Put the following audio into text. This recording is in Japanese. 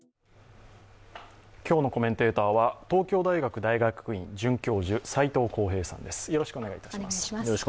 今日のコメンテーターは東京大学大学院准教授斎藤幸平さんです。